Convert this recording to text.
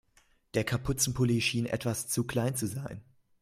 Der Kapuzenpulli schien etwas zu klein zu sein.